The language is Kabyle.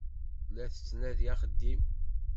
La tettnadi axeddim.